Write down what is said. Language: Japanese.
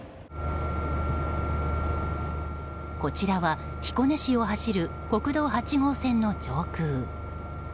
こちらは彦根市を走る国道８号線の上空。